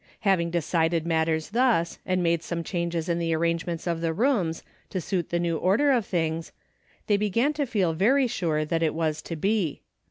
Having decided matters thus, and made some changes in the arrangements of the rooms, to suit the new order of things, they began to feel very sure that it was to be.